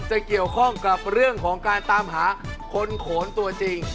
จะเกี่ยวข้องกับเรื่องของการตามหาคนโขนตัวจริง